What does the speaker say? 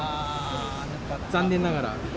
残念ながら。